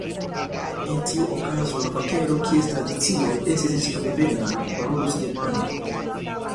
En tiu okazo, la vakeroj, kies tradicioj estis hispandevenaj, parolus germane.